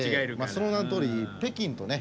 その名のとおり北京とね